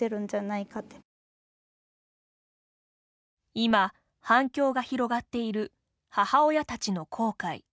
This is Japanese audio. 今、反響が広がっている母親たちの後悔。